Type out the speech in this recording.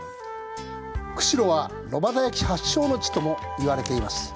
釧路は炉端焼き発祥の地ともいわれています。